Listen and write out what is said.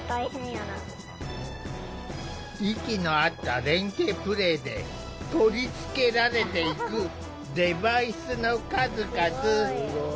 息の合った連係プレイで取り付けられていくデバイスの数々。